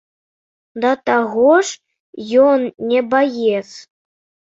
Да таго ж ён не баец.